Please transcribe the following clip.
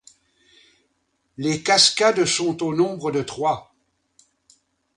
Les cascades sont au nombre de trois.